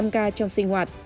năm k trong sinh hoạt